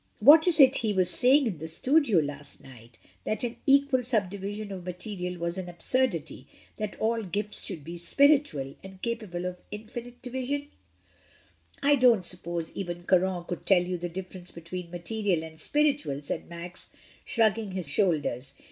"What is it he was saying in the studio last night, that an equal subdivision of material was an absurdity — that all gifts should be spiritual ... and capable of infinite division?" ST. CLOUD BEFORE THE STORM. 95 "I don't suppose even Caron could tell you the difference between material and spiritual," said Max, shrugging his shoulders.